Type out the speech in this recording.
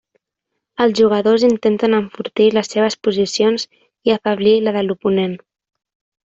Els jugadors intenten enfortir les seves posicions i afeblir la de l'oponent.